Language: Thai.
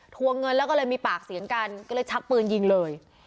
วงเงินแล้วก็เลยมีปากเสียงกันก็เลยชักปืนยิงเลย